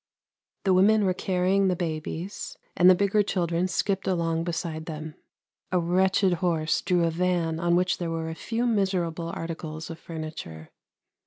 The women were carrying the babies, and the bigger children skipped along beside them. A wretched horse drew a van on which were a few miserable articles of furniture.